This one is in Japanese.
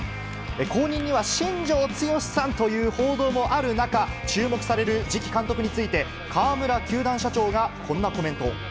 後任には新庄剛志さんという報道もある中、注目される次期監督について、川村球団社長がこんなコメントを。